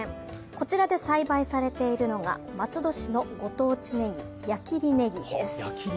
こちらで栽培されているのが松戸市のご当地ねぎ、矢切ねぎです。